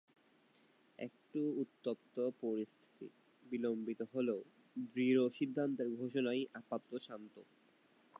একটু উত্তপ্ত পরিস্থিতি বিলম্বিত হলেও দৃঢ় সিদ্ধান্তের ঘোষণায় আপাতত শান্ত।